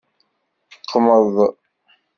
Qmeḍ.